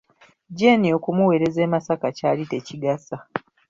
Jeeni okumuwereza e Masaka kyali tekigasa!